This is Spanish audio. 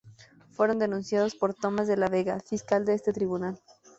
Fueron denunciados por Tomás de la Vega, fiscal de este tribunal.